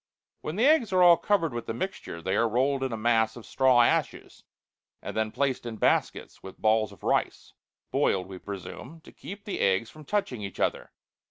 When the eggs are all covered with the mixture, they are rolled in a mass of straw ashes, and then placed in baskets with balls of rice boiled, we presume to keep the eggs from touching each other.